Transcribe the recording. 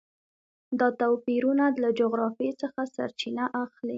دا توپیرونه له جغرافیې څخه سرچینه اخلي.